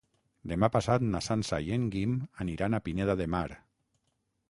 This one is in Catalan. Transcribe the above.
Demà passat na Sança i en Guim aniran a Pineda de Mar.